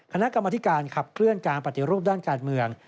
คณะกรรมธิการขับเคลื่อนการปฏิรูปด้านการเมือง